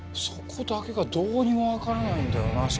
そこだけがどうにもわからないんだよな。